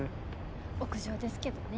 屋上ですけどね。